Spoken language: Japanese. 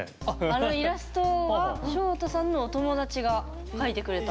あのイラストはしょうたさんのお友達が描いてくれたと。